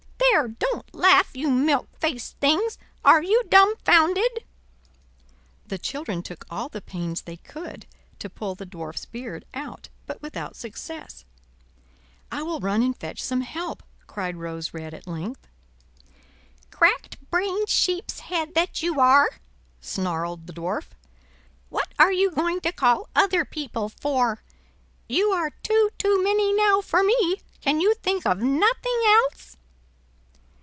There, don't laugh, you milk faced things! are you dumfounded?" The children took all the pains they could to pull the Dwarf's beard out; but without success. "I will run and fetch some help," cried Rose Red at length. "Crack brained sheep's head that you are!" snarled the Dwarf; "what are you going to call other people for? You are two too many now for me; can you think of nothing else?"